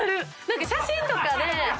何か写真とかで。